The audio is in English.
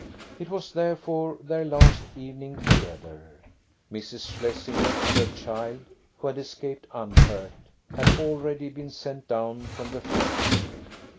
It was, therefore, their last evening together. Mrs. Shlesinger and her child, who had escaped unhurt, had already been sent down from the frontier.